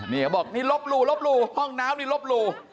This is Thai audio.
นี่เขาบอกนี่ลบหลู่ลบหลู่ห้องน้ำนี่ลบหลู่